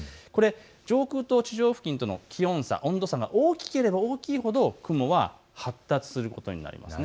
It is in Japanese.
上空と地表付近の気温差、温度差が大きければ大きいほど、雲は発達することになります。